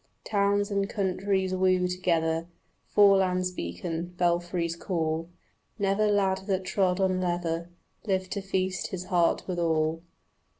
Towns and countries woo together, Forelands beacon, belfries call; Never lad that trod on leather Lived to feast his heart with all.